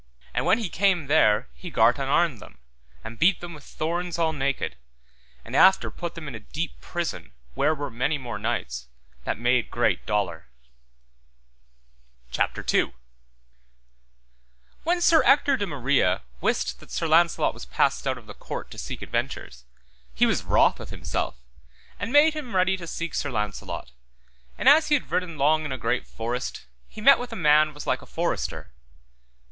And when he came there he gart unarm them, and beat them with thorns all naked, and after put them in a deep prison where were many more knights, that made great dolour. CHAPTER II. How Sir Ector followed for to seek Sir Launcelot, and how he was taken by Sir Turquine. When Sir Ector de Maris wist that Sir Launcelot was passed out of the court to seek adventures, he was wroth with himself, and made him ready to seek Sir Launcelot, and as he had ridden long in a great forest he met with a man was like a forester.